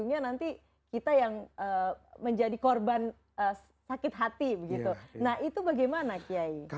nah itu bagaimana kyai